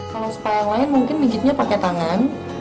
kalau spa yang lain mungkin minyaknya pakai tangan